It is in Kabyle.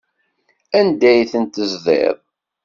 Anda ay ten-teẓḍiḍ?